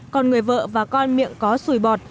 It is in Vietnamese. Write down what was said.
còn người vợ và con miệng có sùi bọt